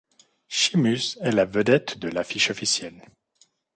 Sheamus est la vedette de l'affiche officielle.